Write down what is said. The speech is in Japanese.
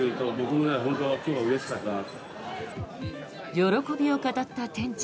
喜びを語った店長。